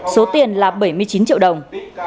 số tiền là bảy mươi chín triệu đồng